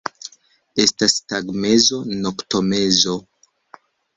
Estas tagmezo, noktomezo.